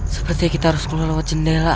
seperti kita harus mengulang wajahnya lah